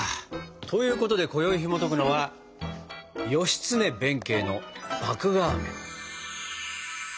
ということでこよいひもとくのは「義経弁慶の麦芽あめ」。